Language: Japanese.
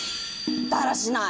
だらしない！